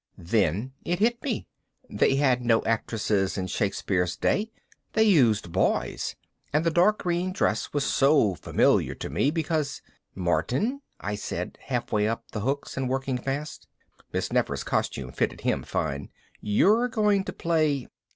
Then it hit me. They had no actresses in Shakespeare's day, they used boys. And the dark green dress was so familiar to me because "Martin," I said, halfway up the hooks and working fast Miss Nefer's costume fitted him fine. "You're going to play